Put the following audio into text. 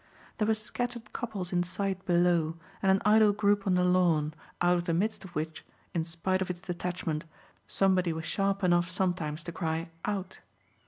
There were scattered couples in sight below and an idle group on the lawn, out of the midst of which, in spite of its detachment, somebody was sharp enough sometimes to cry "Out!"